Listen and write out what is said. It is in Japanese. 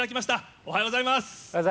おはようございます。